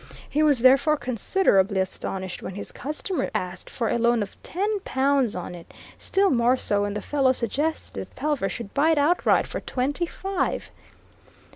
He was therefore considerably astonished when his customer asked for a loan of ten pounds on it still more so when the fellow suggested that Pelver should buy it outright for twenty five.